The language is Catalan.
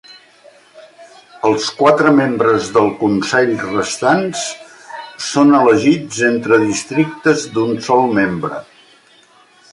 Els quatre membres del consell restants són elegits entre districtes d'un sol membre.